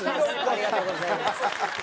ありがとうございます。